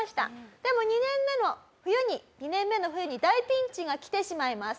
でも２年目の冬に２年目の冬に大ピンチが来てしまいます。